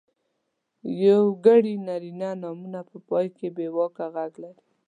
یوګړي نرينه نومونه په پای کې بېواکه غږ لري.